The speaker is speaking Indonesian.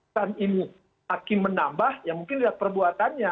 dan ini hakim menambah ya mungkin lihat perbuatannya